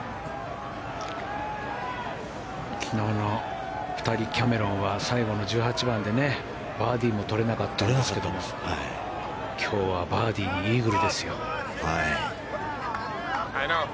昨日の２人、キャメロンは最後の１８番でバーディーを取れなかったけど今日はバーディーにイーグルですよ。